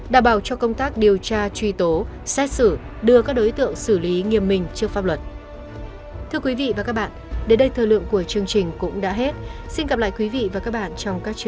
đảm bảo cho công tác điều tra truy tố xét xử đưa các đối tượng xử lý nghiêm minh trước pháp luật